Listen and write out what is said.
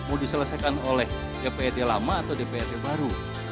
mau diselesaikan oleh dprd lama atau dprd baru